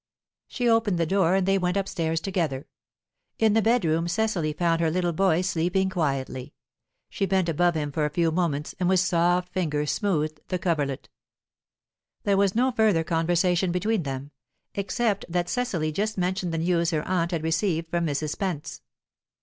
She opened the door, and they went upstairs together. In the bedroom Cecily found her little boy sleeping quietly; she bent above him for a few moments, and with soft fingers smoothed the coverlet. There was no further conversation between them except that Cecily just mentioned the news her aunt had received from Mrs. Spence.